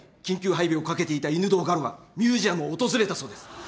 緊急配備をかけていた犬堂我路がミュージアムを訪れたそうです。